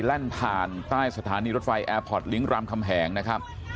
แล่นผ่านใต้สถานีรถไฟแอร์พอร์ตลิงก์รามคำแหงนะครับ